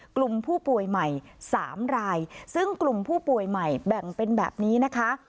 กลุ่มผู้ป่วยใหม่๓รายซึ่งกลุ่มผู้ป่วยใหม่แบ่งเป็นแบบนี้นะคะ